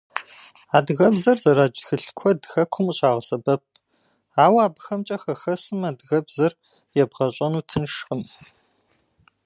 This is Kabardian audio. Адыгэбзэр зэрадж тхылъ куэд хэкум къыщагъэсэбэп, ауэ абыхэмкӀэ хэхэсхэм адыгэбзэр ебгъэщӀэну тыншкъым.